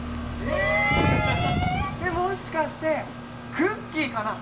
えっもしかしてクッキーかな？